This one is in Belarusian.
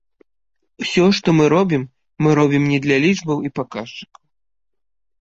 Усё, што мы робім, мы робім не для лічбаў і паказчыкаў.